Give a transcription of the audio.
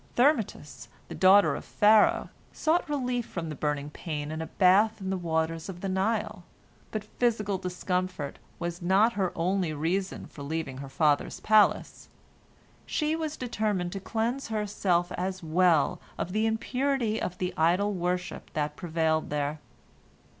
Thermutis, the daughter of Pharaoh, sought relief from the burning pain in a bath in the waters of the Nile. But physical discomfort was not her only reason for leaving her father's palace. She was determined to cleanse herself as well of the impurity of the idol worship that prevailed there.